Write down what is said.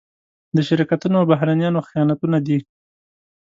د شرکتونو او بهرنيانو خیانتونه دي.